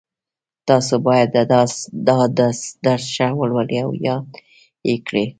تاسو باید دا درس ښه ولولئ او یاد یې کړئ